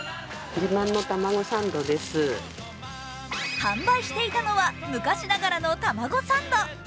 販売していたのは昔ながらのタマゴサンド。